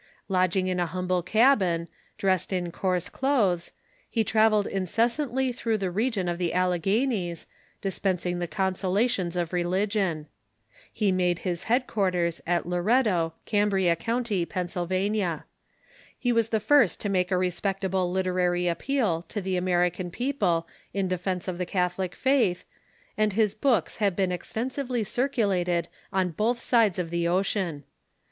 Lodging in a humble cabin, dressed in coarse clothes, he travelled incessantly through the region of the Alleghenies, dispensing the consolations of religion. Pie made his head quarters at Loretto, Cambria County, Pennsylvania. He was the first to make a respectable literary appeal to the American people in defence of the Catholic faith, and his books have been extensively circulated on both sides of the ocean.